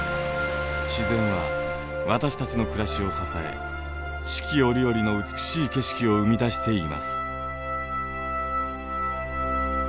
自然は私たちの暮らしを支え四季折々の美しい景色を生み出しています。